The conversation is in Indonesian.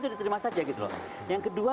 itu diterima saja gitu loh yang kedua